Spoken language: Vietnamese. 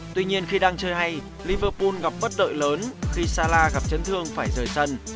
tuy nhiên khi đang chơi hay liverpool gặp bất đợi lớn khi salah gặp chấn thương phải rời sân